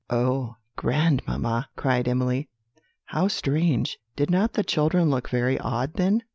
"Oh, grandmamma!" cried Emily, "how strange! Did not the children look very odd then?"